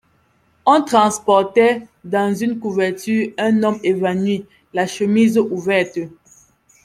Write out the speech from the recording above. On transportait, dans une couverture, un homme évanoui, la chemise ouverte.